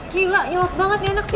gila ilat banget gak enak sih